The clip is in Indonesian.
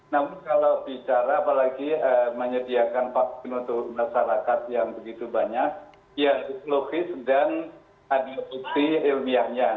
namun kalau bicara apalagi menyediakan vaksin untuk masyarakat yang begitu banyak ya logis dan ada bukti ilmiahnya